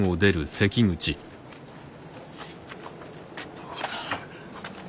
どこだ？